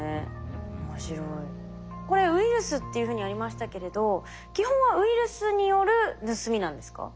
これウイルスっていうふうにありましたけれど基本はウイルスによる盗みなんですか？